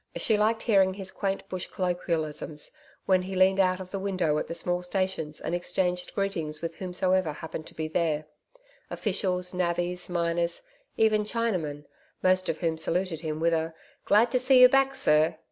She liked hearing his quaint Bush colloquialisms, when he leaned out of the window at the small stations and exchanged greetings with whomsoever happened to be there officials, navvies, miners, even Chinamen most of whom saluted him with a 'Glad to see you back, sir!'